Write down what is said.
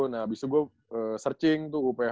nah abis itu gue searching tuh upaya